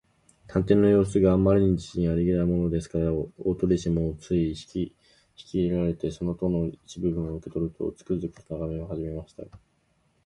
探偵のようすが、あまり自信ありげだものですから、大鳥氏もつい引きいれられて、その塔の一部分を受けとると、つくづくとながめはじめました。